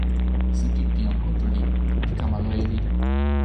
sinpin pi jan Kuntuli li kama loje lili.